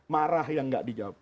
marah yang nggak dijawab